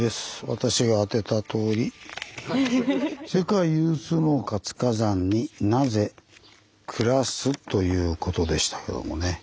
私が当てたとおり「世界有数の活火山になぜ暮らす？」ということでしたけどもね。